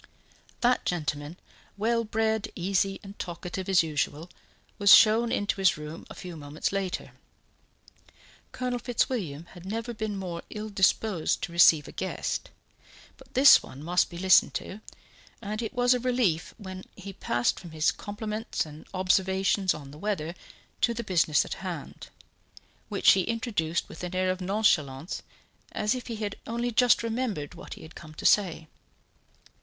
That gentleman, well bred, easy and talkative as usual, was shown into his room a few moments later. Colonel Fitzwilliam had never been more ill disposed to receive a guest, but this one must be listened to, and it was a relief when he passed from his compliments and observations on the weather to the business at hand, which he introduced with an air of nonchalance, as if he had only just remembered what he had come to say.